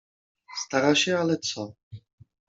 Stara się, ale co?